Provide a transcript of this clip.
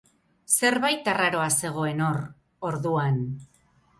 Zerbait arraroa zegoen hor, orduan.